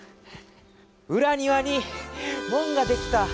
うら庭に門ができた！